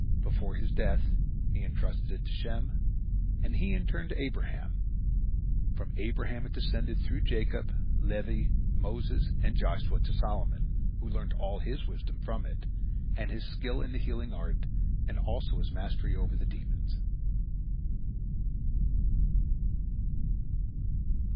Before his death, he entrusted it to Shem, and he in turn to Abraham. From Abraham it descended through Jacob, Levi, Moses, and Joshua to Solomon, who learnt all his wisdom from it, and his skill in the healing art, and also his mastery over the demons.